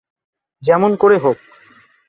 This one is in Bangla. যেমন করে হোক।